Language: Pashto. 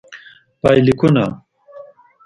پایلیکونه: